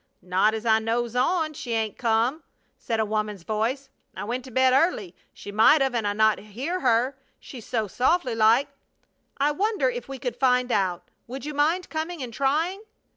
"Not as I knows on, she 'ain't come," said a woman's voice. "I went to bed early. She might ov and I not hear her, she's so softly like." "I wonder if we could find out? Would you mind coming and trying?"